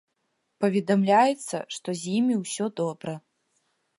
Паведамляецца, што з імі ўсё добра.